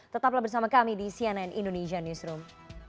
tetaplah bersama kami di cnn indonesia newsroom